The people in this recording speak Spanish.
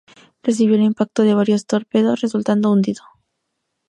Recibió el impacto de varios torpedos, resultando hundido.